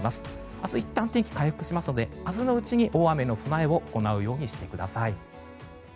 明日、いったん天気は回復しますので明日のうちに大雨への備えを行うようにしてください。